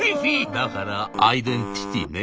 「だからアイデンティティーね。